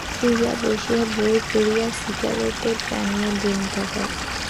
শুইয়া বসিয়া বই পড়িয়া সিগারেট টানিয়া দিন কাটায়।